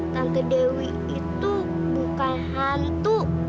tante dewi itu bukan hantu